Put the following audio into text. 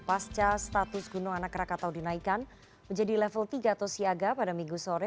pasca status gunung anak rakatau dinaikkan menjadi level tiga atau siaga pada minggu sore